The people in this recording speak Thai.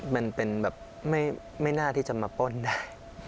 มันเป็นแบบไม่น่าที่จะมาป้นได้